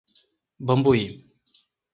Bambuí